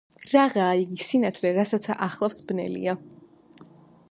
რაღაა იგი სინათლე, რასაცა ახლავს ბნელია?!